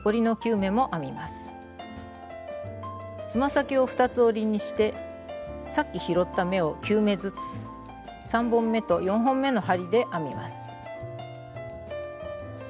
つま先を２つ折りにしてさっき拾った目を９目ずつ３本めと４本めの針で編みます。